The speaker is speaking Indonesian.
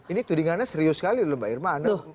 ini tudingannya serius sekali loh mbak irma